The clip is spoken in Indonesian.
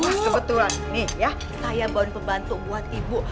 ah kebetulan nih ya saya bawain pembantu buat ibu